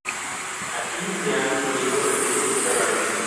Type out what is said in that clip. Aquí se han descubierto recintos subterráneos.